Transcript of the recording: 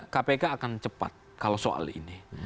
kpk akan cepat kalau soal ini